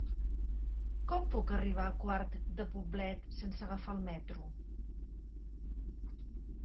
Com puc arribar a Quart de Poblet sense agafar el metro?